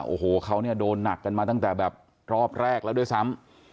โอ้โหเขาเนี่ยโดนหนักกันมาตั้งแต่แบบรอบแรกแล้วด้วยซ้ำ